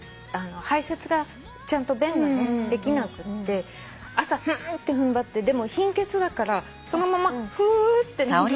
排せつがちゃんと便ができなくって朝フンッて踏ん張ってでも貧血だからそのままフーって。